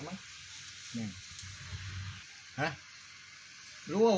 มันบอกโทรศัพท์ไม่มีเงินลุงมีโทร